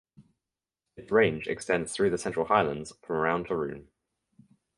Its range extends through the central highlands from around Taroom.